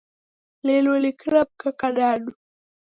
Linu ni kiramka kadadu